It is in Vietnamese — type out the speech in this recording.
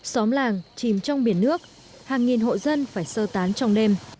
xóm làng chìm trong biển nước hàng nghìn hộ dân phải sơ tán trong đêm